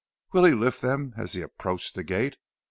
Will he lift them as he approaches the gate?